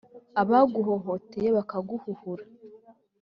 Abaguhohoteye bakaguhuhura